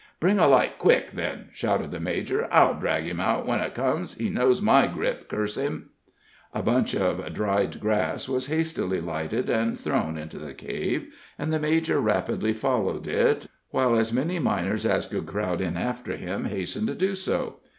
"Bring a light quick, then," shouted the major. "I'll drag him out when it comes; he knows my grip, curse him!" A bunch of dried grass was hastily lighted and thrown into the cave, and the major rapidly followed it, while as many miners as could crowd in after him hastened to do so.